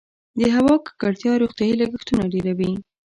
د هوا ککړتیا روغتیايي لګښتونه ډیروي؟